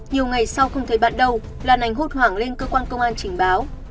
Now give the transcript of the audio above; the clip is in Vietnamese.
nhiều ngày sau không thấy bạn đâu lan anh hốt hoảng lên cơ quan công an trình báo